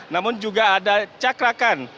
namun juga ada cakrakan